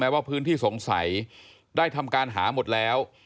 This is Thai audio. ว่าพื้นที่สงสัยได้ทำการหาหมดแล้ว